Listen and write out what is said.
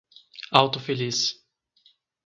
Alto Feliz